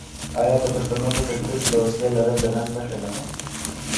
آیا د پښتنو په کلتور کې د وسلې لرل د ننګ نښه نه ده؟